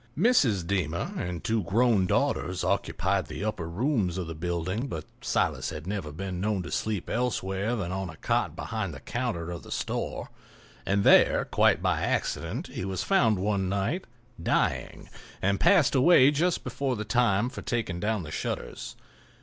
Mrs. Deemer and two grown daughters occupied the upper rooms of the building, but Silas had never been known to sleep elsewhere than on a cot behind the counter of the store. And there, quite by accident, he was found one night, dying, and passed away just before the time for taking down the shutters.